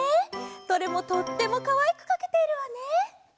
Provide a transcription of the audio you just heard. どれもとってもかわいくかけているわね！